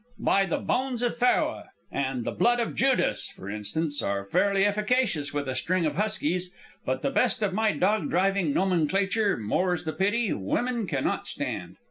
By the bones of Pharaoh and the blood of Judas, for instance, are fairly efficacious with a string of huskies; but the best of my dog driving nomenclature, more's the pity, women cannot stand.